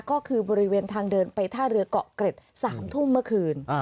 ก็คือบริเวณทางเดินไปท่าเรือเกาะเกร็ด๓ทุ่มเมื่อคืน